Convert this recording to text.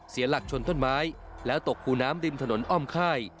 เสียหลักชนต้นไม้แล้วตกคูน้ำริมถนนอ้อมค่าย